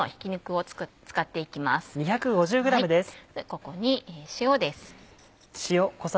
ここに塩です。